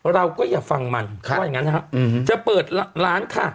เราก็อย่าฟังมันว่าอย่างนั้นนะฮะจะเปิดร้านค่ะ